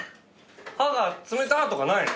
「歯が冷た！」とかないの。